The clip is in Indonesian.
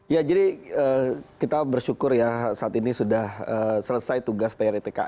ya jadi kita bersyukur ya saat ini sudah selesai tugas dari tki